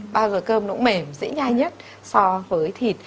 bao giờ cơm nó cũng mềm dễ nhai nhất so với thịt